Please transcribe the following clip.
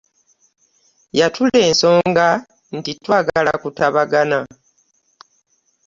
Yatula ensonga nti twagala kutabagana.